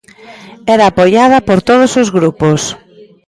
Era apoiada por todos os grupos.